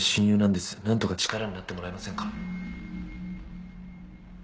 「なんとか力になってもらえませんか？」